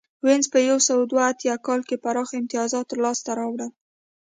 وینز په یو سوه دوه اتیا کال کې پراخ امتیازات لاسته راوړل